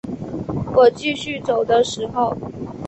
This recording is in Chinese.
我继续走的时候